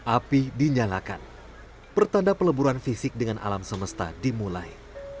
api dinyalakan pertanda peleburan fisik dengan alam semesta dimulai